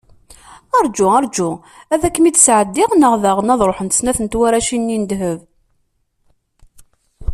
Arǧu, arǧu ad kem-id-sɛeddiɣ, neɣ daɣen ad ruḥent snat n twaracin-nni n ddheb.